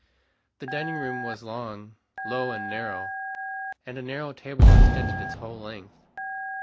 The dining room was long, low and narrow, and a narrow table extended its whole length.